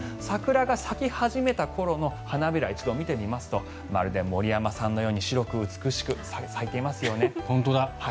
桜が咲き始めた頃の花びらを一度見てみますとまるで森山さんのように白く美しく本当だ。